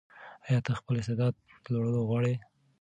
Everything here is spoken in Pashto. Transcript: ایا ته خپل استعداد لوړول غواړې؟